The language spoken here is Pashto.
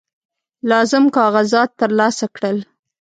لازم کاغذات ترلاسه کړل.